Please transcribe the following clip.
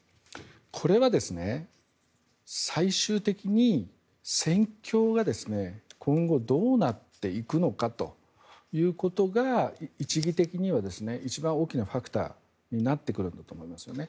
これは最終的に戦況が今後、どうなっていくのかということが一義的には一番大きなファクターになってくると思うんですね。